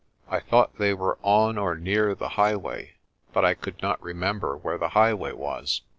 I thought they were on or near the highway but I could not remember where the highway was.